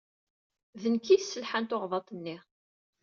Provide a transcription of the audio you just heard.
D nekk i yesselḥan tuɣḍaṭ-nni.